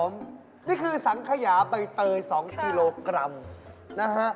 นี่คือสังขยาเตยไป๒กิโลกรัม